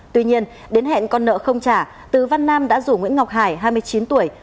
tuy nhiên đến hẹn con nợ không trả từ văn nam đã rủ nguyễn ngọc hải hai mươi chín tuổi